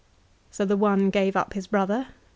So the one gave up his brother and the 1 Veil.